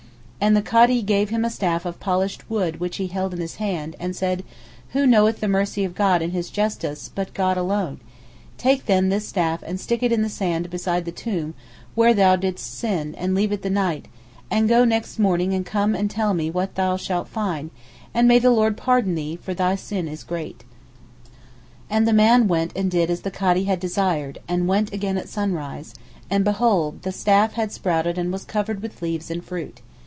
And the Kadee gave him a staff of polished wood which he held in his hand, and said 'Who knoweth the mercy of God and his justice, but God alone—take then this staff and stick it in the sand beside the tomb where thou didst sin and leave it the night, and go next morning and come and tell me what thou shalt find, and may the Lord pardon thee, for thy sin is great.' And the man went and did as the Kadee had desired, and went again at sunrise, and behold the staff had sprouted and was covered with leaves and fruit.